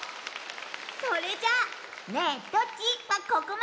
それじゃ「ねえどっち？」はここまで！